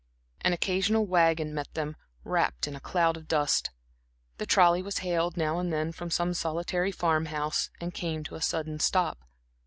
An occasional wagon met them, wrapped in a cloud of dust; the trolley was hailed now and then from some solitary farm house, and came to a sudden stop.